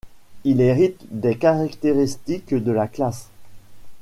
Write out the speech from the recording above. Il hérite des caractéristiques de la classe.